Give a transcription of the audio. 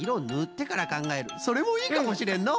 それもいいかもしれんのう。